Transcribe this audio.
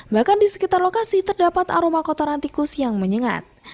bahkan di sekitar lokasi terdapat aroma kotoran tikus yang menyengat